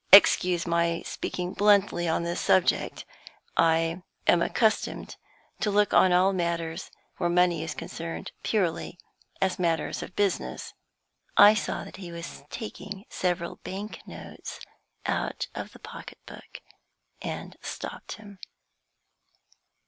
Excuse my speaking bluntly on this subject; I am accustomed to look on all matters where money is concerned purely as matters of business." I saw that he was taking several bank notes out of the pocket book, and stopped him.